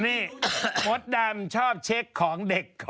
นี่ท่อดรรจ์ชอบเช็คของเด็ก